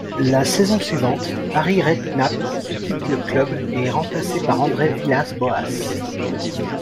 La saison suivante, Harry Redknapp quitte le club et est remplacé par André Villas-Boas.